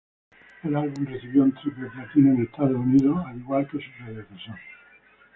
El álbum recibió un triple platino en Estados Unidos, al igual que su predecesor.